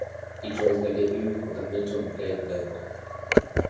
It was their debut for the Metal Blade label.